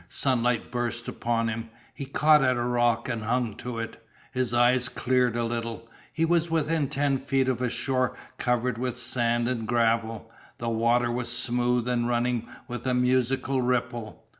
Sunlight burst upon him. He caught at a rock, and hung to it. His eyes cleared a little. He was within ten feet of a shore covered with sand and gravel. The water was smooth and running with a musical ripple.